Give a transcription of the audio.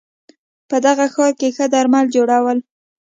په دغه ښار کې ښه درمل جوړول